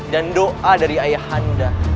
dan doa dari ayah anda